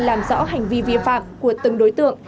làm rõ hành vi vi phạm của từng đối tượng